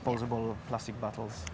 pelaburan plastik yang unik